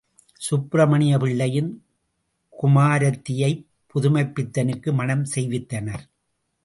சுப்பிரமணிய பிள்ளையின் குமாரத்தியைப் புதுமைப்பித்தனுக்கு மனம் செய்வித்தனர்.